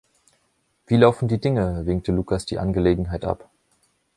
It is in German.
„Wie laufen die Dinge?“, winkte Lucas die Angelegenheit ab.